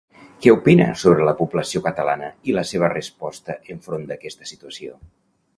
Què opina sobre la població catalana i la seva resposta enfront d'aquesta situació?